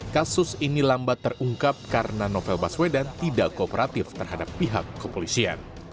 kasus ini lambat terungkap karena novel baswedan tidak kooperatif terhadap pihak kepolisian